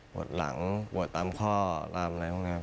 ปวดหลังปวดตามข้อตามอะไรบ้างครับ